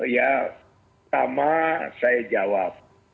ya pertama saya jawab